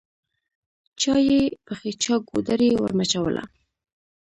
چا یې پښې چا ګودړۍ ورمچوله